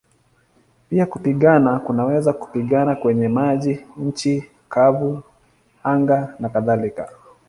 Pia kupigana kunaweza kupigana kwenye maji, nchi kavu, anga nakadhalika.